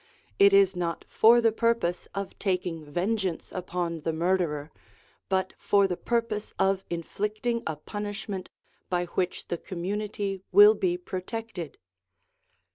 It is not for the purpose of taking vengeance MISCELLANEOUS SUBJECTS 309 upon the murderer, but for the purpose of inflicting a punishment by which the community will be protected.